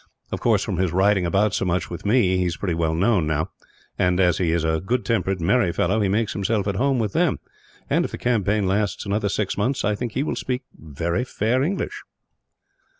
Of course, from his riding about so much with me, he is pretty well known, now; and as he is a good tempered, merry fellow, he makes himself at home with them and, if the campaign lasts another six months, I think he will speak very fair English."